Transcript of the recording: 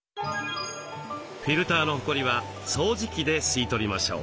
フィルターのホコリは掃除機で吸い取りましょう。